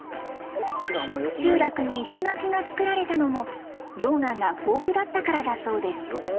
集落に石垣が造られたのも溶岩が豊富だったからだそうです。